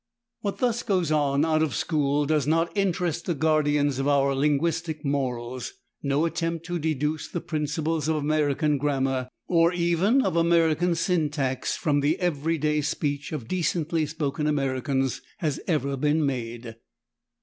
What thus goes on out of school does not interest the guardians of our linguistic morals. No attempt to deduce the principles of American grammar, or even of American syntax, from the everyday speech of decently spoken Americans has ever been made.